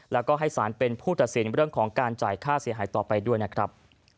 แล้วก็ให้สารเป็นผู้ตัดสินเรื่องของการจ่ายค่าเสียหายต่อไปด้วยนะครับ